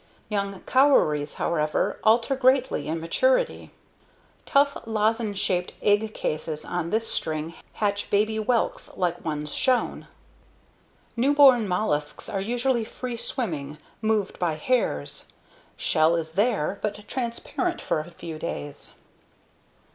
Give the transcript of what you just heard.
Young COWRIES (l.), however, alter greatly in maturity (r.). Tough, lozenge shaped egg cases on this string hatch baby WHELKS like ones shown. Newborn mollusks are usually free swimming, moved by hairs. Shell is there, but transparent for a few days.